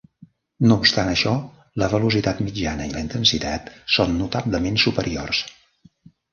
No obstant això, la velocitat mitjana i la intensitat són notablement superiors.